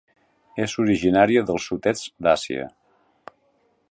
És originària del sud-est d'Àsia.